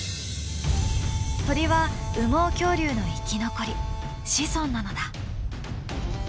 鳥は羽毛恐竜の生き残り子孫なのだ。